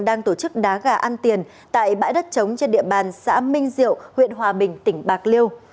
đang tổ chức đá gà ăn tiền tại bãi đất trống trên địa bàn xã minh diệu huyện hòa bình tỉnh bạc liêu